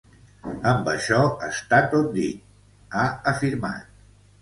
“Amb això està tot dit”, ha afirmat.